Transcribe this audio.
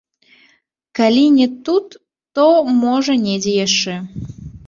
Калі не тут, то можа недзе яшчэ.